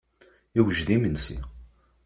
Yewjed yimensi.